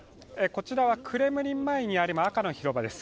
こちらはクレムリン前にある赤の広場です。